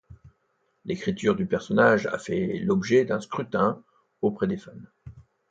L'écriture du personnage a fait l'objet d'un scrutin auprès des fans.